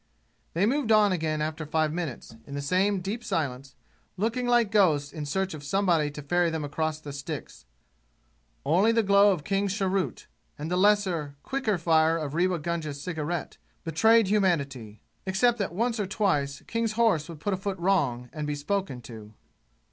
They moved on again after five minutes, in the same deep silence, looking like ghosts in search of somebody to ferry them across the Styx. Only the glow of King's cheroot, and the lesser, quicker fire of Rewa Gunga's cigarette, betrayed humanity, except that once or twice King's horse would put a foot wrong and be spoken to.